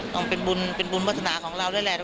ต้องเป็นบุญเป็นบุญวัฒนาของเราด้วยแหละ